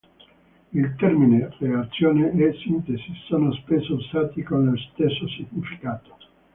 Il termine "reazione" e "sintesi" sono spesso usati con lo stesso significato.